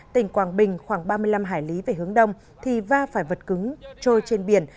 tỉnh quảng bình khoảng ba mươi năm hải lý về hướng đông thì va phải vật cứng trôi trên biển